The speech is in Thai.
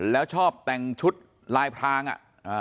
แล้วชอบแต่งชุดลายพรางอ่ะอ่า